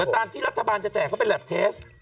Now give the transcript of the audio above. แต่ตอนที่รัฐบาลจะแจกก็เป็นลัดเทสต์